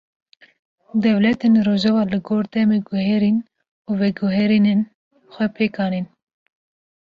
Dewletên rojava li gor demê, guherîn û veguherînên xwe pêk anîn